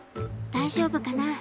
大丈夫かな？